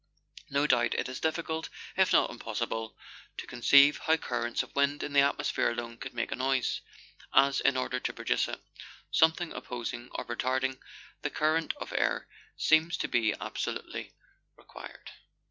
No doubt it is difficult, if not impossible, to conceive how currents of wind in the atmosphere alone could make a noise, as, in order to produce it, something opposing or retarding the current of air seems to be absolutely required.